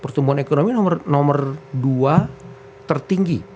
pertumbuhan ekonomi nomor dua tertinggi